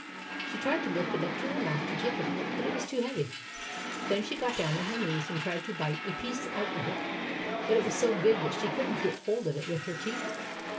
She tried to lift it up to her mouth to take a bite; but it was too heavy. Then she got down on her knees, and tried to bite a piece out of it ; but it was so big that she could n't get hold of it with her teeth.